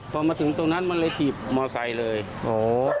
พอมาถึงตรงนั้นมันเลยหยิบมอเฮทชั่นไซน์เลยโห